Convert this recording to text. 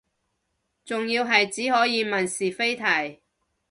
仲要係只可以問是非題